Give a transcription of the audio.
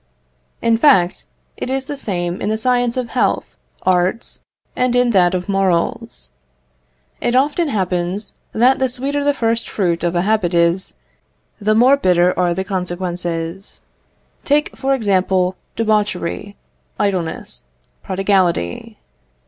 In fact, it is the same in the science of health, arts, and in that of morals. If often happens, that the sweeter the first fruit of a habit is, the more bitter are the consequences. Take, for example, debauchery, idleness, prodigality.